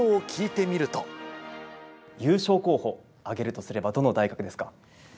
優勝候補を挙げるとすれば、どの大学ですか。